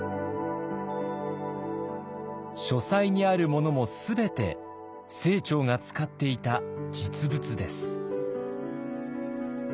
書斎にあるものも全て清張が使っていた実物です。